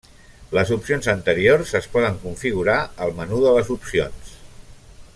Les opcions anteriors es poden configurar al menú de les opcions.